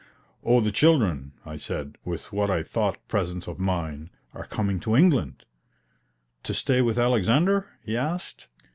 "Oh, the children," I said, with what I thought presence of mind, "are coming to England." "To stay with Alexander?" he asked.